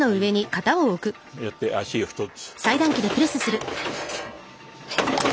やって足を１つ。